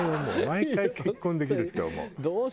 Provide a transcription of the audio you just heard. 毎回結婚できるって思う。